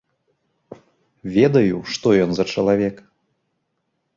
Ведаю, што ён за чалавек.